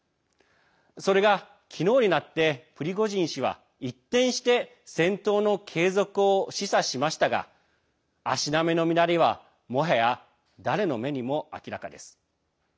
それが昨日になってプリゴジン氏は、一転して戦闘の継続を示唆しましたが足並みの乱れはもはや誰の目にも明らかです。